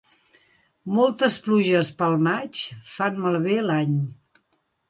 Moltes pluges pel maig fan malbé l'any.